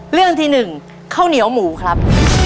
เรื่องที่๑ข้าวเหนียวหมูครับ